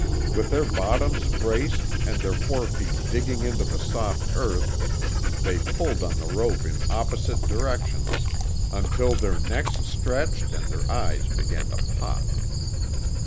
With their bottoms braced and their forefeet digging into the soft earth, they pulled on the rope in opposite directions until their necks stretched and their eyes began to pop.